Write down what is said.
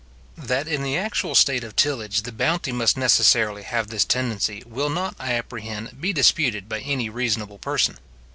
That in the actual state of tillage the bounty must necessarily have this tendency, will not, I apprehend, be disputed by any reasonable person.